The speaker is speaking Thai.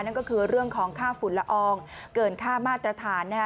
นั่นก็คือเรื่องของค่าฝุ่นละอองเกินค่ามาตรฐานนะฮะ